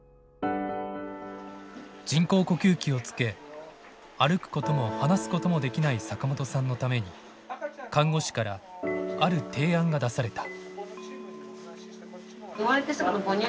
人工呼吸器をつけ歩くことも話すこともできない坂本さんのために看護師からある提案が出された。